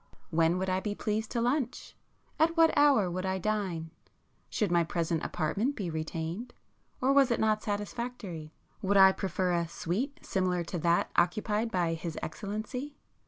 When would I be pleased to lunch? At what hour would I dine? Should my present apartment be retained?—or was it not satisfactory? Would I prefer a 'suite' similar to that occupied by his excellency?